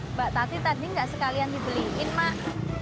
mbak tati tadi gak sekalian dibeliin mak